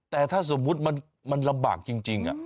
แต่ถ้าสมมุติมันลำบากจริง